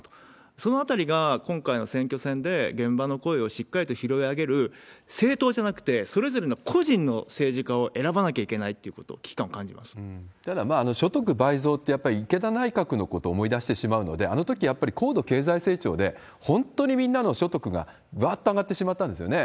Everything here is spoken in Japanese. そのあたりが今回の選挙戦で現場の声をしっかりと拾い上げる、政党じゃなくて、それぞれの個人の政治家を選ばなければいけないということを、危ただ、所得倍増って、やっぱり池田内閣のことを思い出してしまうので、あのとき、やっぱり高度経済成長で、本当にみんなの所得がばっと上がってしまったんですね。